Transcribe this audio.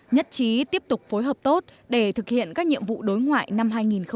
nhất chí tiếp tục phối hợp tốt để thực hiện các nhiệm vụ đối ngoại năm hai nghìn một mươi tám